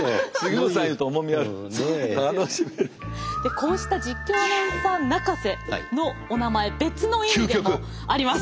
こうした実況アナウンサー泣かせのおなまえ別の意味でもあります。